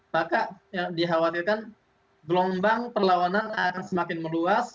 maka dikhawatirkan gelombang perlawanan akan semakin meluas